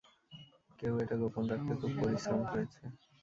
কেউ এটা গোপন রাখতে খুব পরিশ্রম করেছে।